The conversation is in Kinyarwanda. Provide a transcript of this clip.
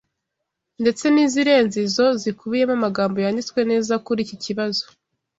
ndetse n’izirenze izo, zikubiyemo amagambo yanditswe neza kuri iki kibazo